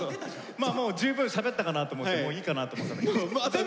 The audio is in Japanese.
まあもう十分しゃべったかなと思ってもういいかなと思ってたんだけど。